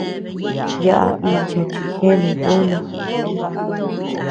Yaʼa icha chi jeanu yuuna.